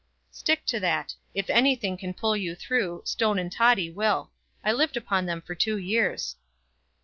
"Stick to that. If anything can pull you through, Stone and Toddy will. I lived upon them for two years."